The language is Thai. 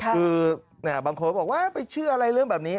คือบางคนบอกว่าไปเชื่ออะไรเรื่องแบบนี้